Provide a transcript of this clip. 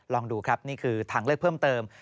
ลองดูครับนี่คือทางเลือกเพิ่มเติม